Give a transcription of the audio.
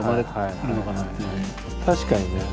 確かにね。